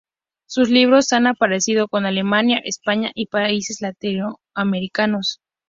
Sus libros han aparecido en Alemania, España y países latinoamericanos.